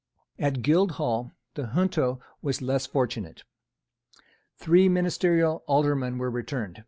At Guildhall the junto was less fortunate. Three ministerial Aldermen were returned.